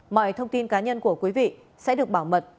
mọi thông tin cá nhân của quý vị sẽ được bảo mật